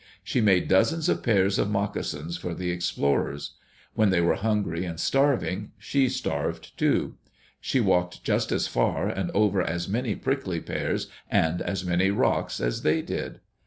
She made dozens of pairs of moccasins for the explorers. When they were hungry and starving, she starved too. She walked just as far, and over as many prickly pears and as many rocks, as they did.